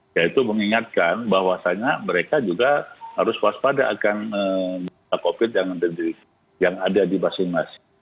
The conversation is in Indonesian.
yaitu mengingatkan bahwasannya mereka juga harus waspada akan covid yang ada di masing masing